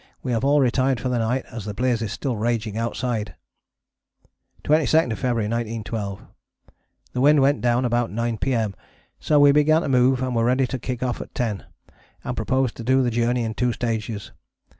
We have all retired for the night as the bliz is still raging outside. 22nd February 1912. The wind went down about 9 P.M., so we began to move and were ready to kick off at 10, and proposed to do the journey in two stages.